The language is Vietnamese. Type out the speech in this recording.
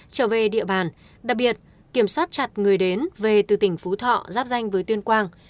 trở về địa bàn đặc biệt kiểm soát chặt người đến về từ tỉnh phú thọ giáp danh với tuyên quang